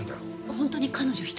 本当に彼女１人？